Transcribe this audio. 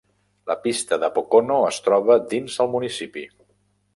La pista de Pocono es troba dins el municipi.